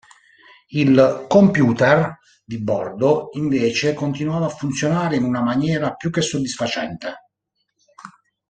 Il computer di bordo invece continuava a funzionare in una maniera più che soddisfacente.